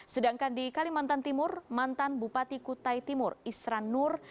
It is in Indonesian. sedangkan di kalimantan timur mantan bupati kutai timur isran nur